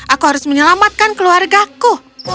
aku harus menyelamatkan keluargaku